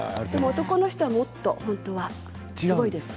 男の人はもっと本当はすごいですよ。